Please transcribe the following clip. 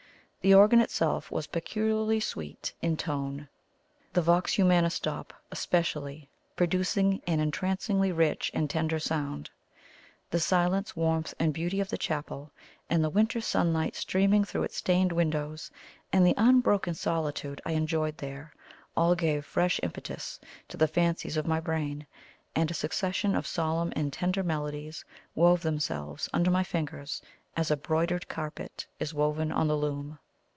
The organ itself was peculiarly sweet in tone, the "vox humana" stop especially producing an entrancingly rich and tender sound. The silence, warmth, and beauty of the chapel, with the winter sunlight streaming through its stained windows, and the unbroken solitude I enjoyed there, all gave fresh impetus to the fancies of my brain, and a succession of solemn and tender melodies wove themselves under my fingers as a broidered carpet is woven on the loom.